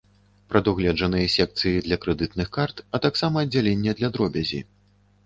Прадугледжаныя секцыі для крэдытных карт, а таксама аддзяленне для дробязі.